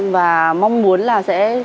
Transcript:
và mong muốn là sẽ